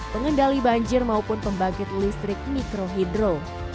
pengendali banjir maupun pembangkit listrik mikrohidro